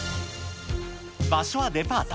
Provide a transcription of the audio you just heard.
場所はデパート。